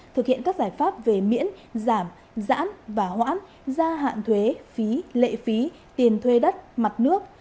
thực hiện các giải pháp về miễn giảm giãn và hoãn gia hạn thuế phí lệ phí tiền thuê đất mặt nước